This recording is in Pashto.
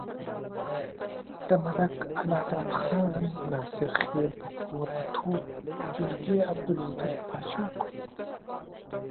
د ملک الله داد خان ناصرخېل په کوربه توب جرګې عبدالودو باچا کړو۔